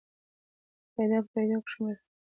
قاعده په پوهېدو کښي مرسته کوي.